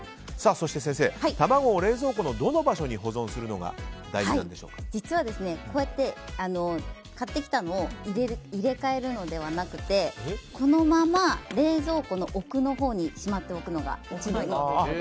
そして、先生卵を冷蔵庫のどの場所に実は買ってきたものを入れ替えるのではなくてこのまま冷蔵庫の奥のほうにしまっておくのが一番いいです。